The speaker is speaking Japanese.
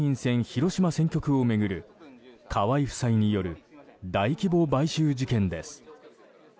広島選挙区を巡る河合夫妻による大規模買収事件です。